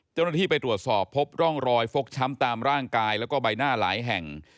เจ้าหน้าที่ไปตรวจสอบพบร่องรอยฟกช้ำตามร่างกายแล้วก็ใบหน้าหลายแห่ง